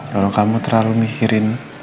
tolong kamu terlalu mikirin